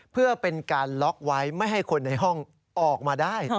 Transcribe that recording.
เพื่อเป็นการล็อกไว้ไม่ให้คนในห้องออกมาได้